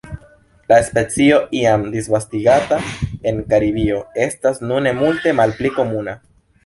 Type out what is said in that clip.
La specio, iam disvastigata en Karibio, estas nune multe malpli komuna.